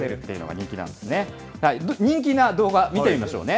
人気な動画、見てみましょうね。